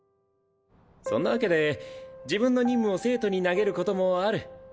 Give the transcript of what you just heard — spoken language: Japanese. そんなわけで自分の任務を生徒に投げることもある。